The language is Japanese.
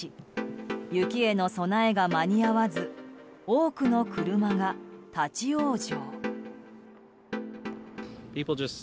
雪への備えが間に合わず多くの車が立ち往生。